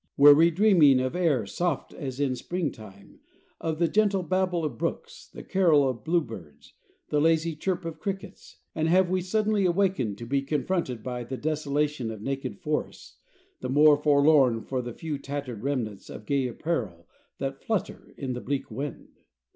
Were we dreaming of air soft as in springtime, of the gentle babble of brooks, the carol of bluebirds, the lazy chirp of crickets, and have we suddenly awakened to be confronted by the desolation of naked forests, the more forlorn for the few tattered remnants of gay apparel that flutter in the bleak wind?